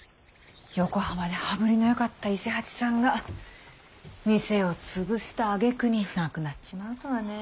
横浜で羽振りのよかった伊勢八さんが店を潰したあげくに亡くなっちまうとはねぇ。